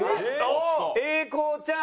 英孝ちゃん。